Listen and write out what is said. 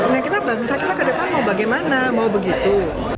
nah kita bangsa kita ke depan mau bagaimana mau begitu